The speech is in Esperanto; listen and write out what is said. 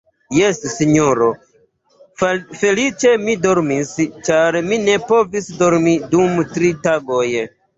Jes, sinjoro, feliĉe mi dormis, ĉar mi ne povis dormi dum tri tagoj.